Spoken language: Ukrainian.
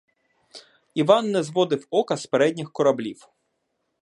Іван не зводив ока з передніх кораблів.